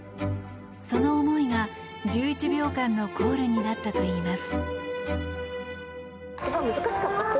その思いが１１秒間のコールになったといいます。